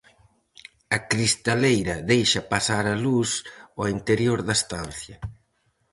A cristaleira deixa pasar a luz ao interior da estancia.